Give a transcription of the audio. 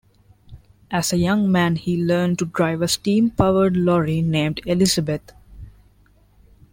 As a young man, he learned to drive a steam-powered lorry named Elizabeth.